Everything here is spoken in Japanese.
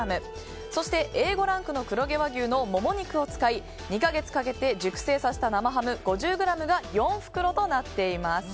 そしてＡ５ランクの黒毛和牛のモモ肉を使い２か月かけて熟成した生ハム５０ｇが４袋となっています。